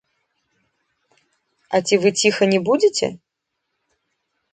А ці вы ціха не будзеце?